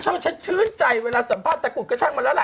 ฉันชื่นใจเวลาสัมภาษณ์ตะกุดกระช่างมาแล้วล่ะ